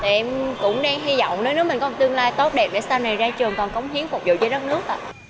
em cũng đang hy vọng nếu nước mình có tương lai tốt đẹp để sau này ra trường còn cống hiến phục vụ cho đất nước